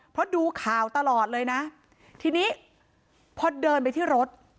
เพราะดูข่าวตลอดเลยนะทีนี้พอเดินไปที่รถ